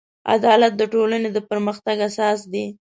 عدالت د ټولنې د پرمختګ اساس دی.